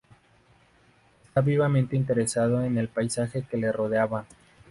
Estaba vivamente interesado en el paisaje que le rodeaba.